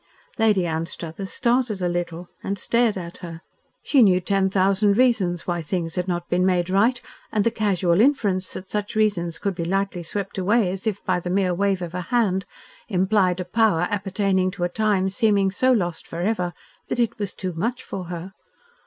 Lady Anstruthers started a little, and stared at her. She knew ten thousand reasons why things had not been made right, and the casual inference that such reasons could be lightly swept away as if by the mere wave of a hand, implied a power appertaining to a time seeming so lost forever that it was too much for her.